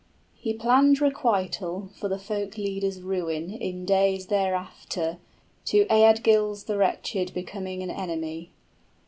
He planned requital for the folk leader's ruin In days thereafter, to Eadgils the wretched Becoming an enemy.